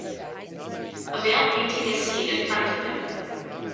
A male painting a scene in front of him.